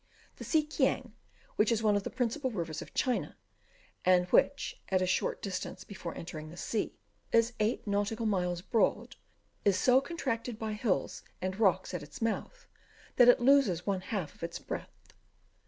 The Si Kiang, which is one of the principal rivers of China, and which, at a short distance before entering the sea, is eight nautical miles broad, is so contracted by hills and rocks at its mouth, that it loses one half of its breadth.